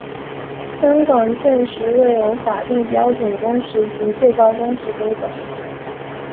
香港现时未有法定标准工时及最高工时规管。